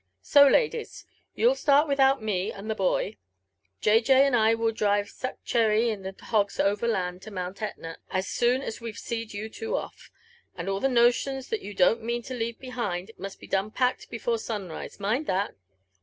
So, ladies, you'll start without me and the boy. J.J. and I will drive Sue cherry and the hogs overland to Mount Etna, as soon as we've see'd you two off; and all the notions that you don't mean to leave behind must be done packed before sunrise — mind thiat.''